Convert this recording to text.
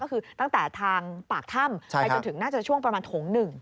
ก็คือตั้งแต่ทางปากถ้ำไปจนถึงน่าจะช่วงประมาณโถง๑